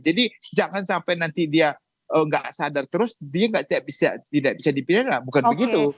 jadi jangan sampai nanti dia tidak sadar terus dia tidak bisa dipindahkan bukan begitu